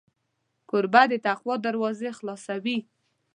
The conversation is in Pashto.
کوربه د تقوا دروازې خلاصوي.